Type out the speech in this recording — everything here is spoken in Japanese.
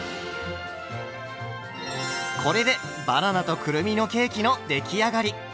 これでバナナとくるみのケーキの出来上がり。